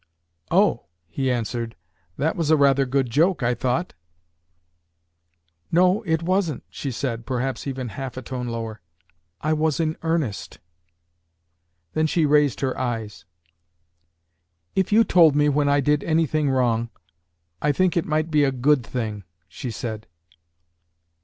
"Oh!" he answered, "that was a rather good joke, I thought." "No, it wasn't," she said, perhaps even half a tone lower. "I was in earnest." Then she raised her eyes. "If you told me when I did any thing wrong, I think it might be a good thing," she said.